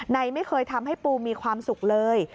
ไม่เคยทำให้ปูมีความสุขเลย